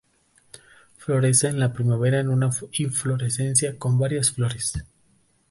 Florece en la primavera en una inflorescencia con varias flores.